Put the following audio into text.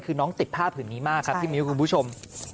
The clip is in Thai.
คือน้องติดผ้าผืนนี้มากครับพี่มิ้วคุณผู้ชม